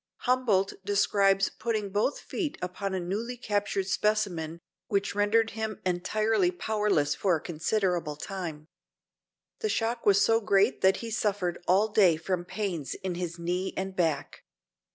Humboldt describes putting both feet upon a newly captured specimen, which rendered him entirely powerless for a considerable time. The shock was so great that he suffered all day from pains in his knee and back.